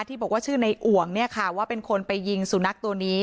ที่บอกว่าชื่อในอ่วงเนี่ยค่ะว่าเป็นคนไปยิงสุนัขตัวนี้